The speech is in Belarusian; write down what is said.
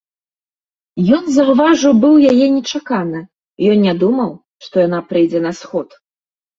Ён заўважыў быў яе нечакана, ён не думаў, што яна прыйдзе на сход.